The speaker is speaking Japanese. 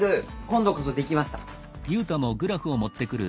今度こそ出来ました！